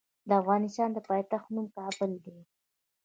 د افغانستان د پايتخت نوم کابل دی.